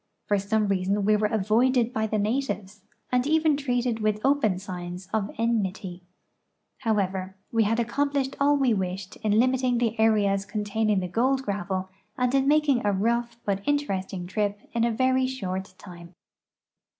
For some reason we were avoided by the natives, and even treated with o)>en signs of enmit3^ Plowever, we had accom plished all we wished in limiting the areas containing gold gravel and in making a rough but interesting trip in a very short time.